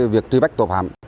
việc truy bách tội phạm